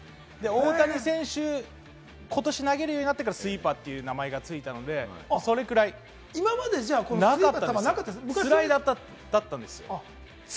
大谷選手が今年投げるようになってから、スイーパーという名前が今までスイーパーってなかっスライダーだったんです。